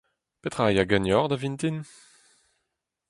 Petra a ya ganeoc'h da vintin ?